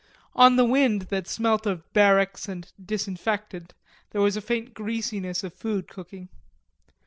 On the wind that smelt of barracks and disinfectant there was a faint greasiness of food cooking.